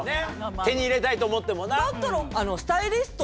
手に入れたいと思ってもな。